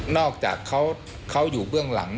อกจากเขาอยู่เบื้องหลัง